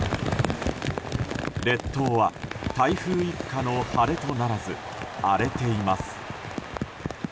列島は台風一過の晴れとならず荒れています。